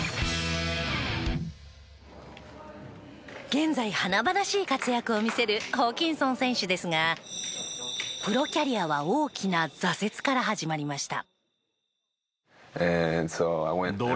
現在華々しい活躍を見せるホーキンソン選手ですがプロキャリアは大きな挫折から始まりました。